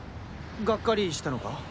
がっかりしたのか？